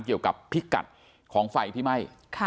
เกี่ยวกับพิกัดของไฟที่ไหม้